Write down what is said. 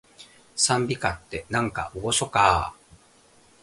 讃美歌って、なんかおごそかー